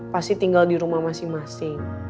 pasti tinggal di rumah masing masing